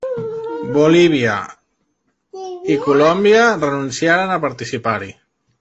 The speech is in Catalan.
Bolívia, i Colòmbia renunciaren a participar-hi.